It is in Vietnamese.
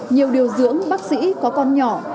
nhiều điều dưỡng bác sĩ có con nhỏ